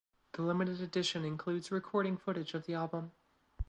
The limited edition includes recording footage of the album.